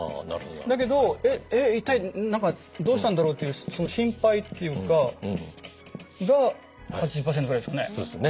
だけど「えっ一体何かどうしたんだろう？」というその心配っていうかが８０％ぐらいですかね。